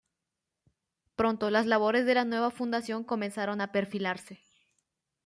Pronto las labores de la nueva fundación comenzaron a perfilarse.